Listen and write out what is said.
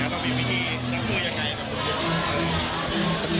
ก็มีวิธีทั้งดูอย่างไรครับ